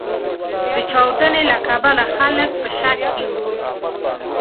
د چاودنې له کبله خلګ په شک کې و.